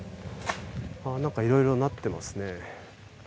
なんかいろいろなってますね。